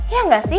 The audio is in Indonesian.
ya gak sih